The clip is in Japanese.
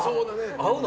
合うの？